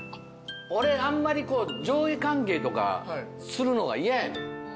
俺あんまり上下関係とかするのが嫌やねん。